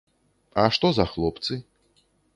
А што за хлопцы?